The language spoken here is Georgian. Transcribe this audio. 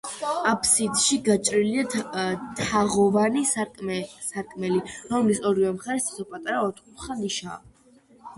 აფსიდში გაჭრილია თაღოვანი სარკმელი, რომლის ორივე მხარეს თითო პატარა, ოთხკუთხა ნიშაა.